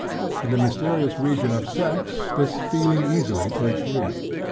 In the mysterious region of sex, this feeling easily takes root.